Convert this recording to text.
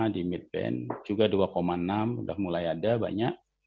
tiga lima di midband juga dua enam sudah mulai ada banyak